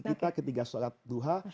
kita ketika sholat duha